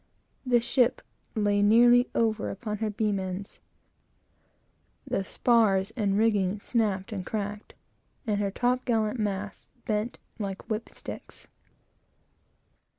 The ship lay nearly over on her beam ends; the spars and rigging snapped and cracked; and her top gallant masts bent like whip sticks.